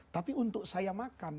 tapi untuk saya makan